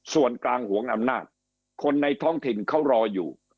ส่วนกลางหวงอำนาจคนในท้องถิ่นเขารออยู่